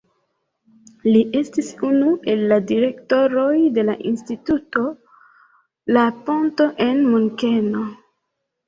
Li estis unu el la direktoroj de la Instituto La Ponto en Munkeno.